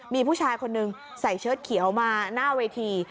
มีผู้ชายคนนึงใส่เชิดเขียวมาหน้าเวที